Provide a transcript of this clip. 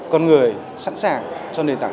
con người sẵn sàng cho nền tảng